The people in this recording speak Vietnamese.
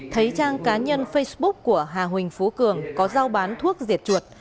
thấy trang cá nhân facebook của hà huỳnh phú cường có giao bán thuốc diệt chuột